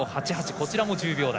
こちらも１０秒台。